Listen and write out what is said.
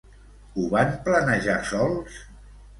Ho van planejar sols?